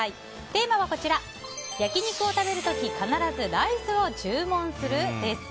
テーマは焼き肉を食べる時必ずライスを注文する？です。